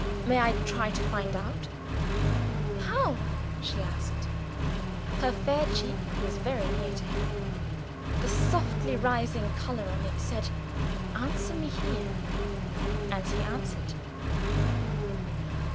"May I try to find out?" "How?" she asked. Her fair cheek was very near to him. The softly rising color on it said, Answer me here and he answered.